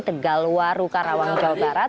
tegaluar ruka rawang jawa barat